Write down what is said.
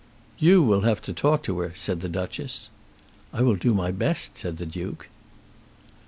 "You will have to talk to her," said the Duchess. "I will do my best," said the Duke.